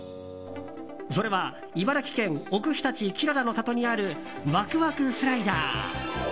それは茨城県奥日立きららの里にあるわくわくスライダー。